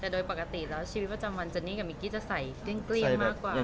แต่โดยปกติแล้วชีวิตประจำวันเจนนี่กับมิกกี้จะใส่เกลี้ยงมากกว่า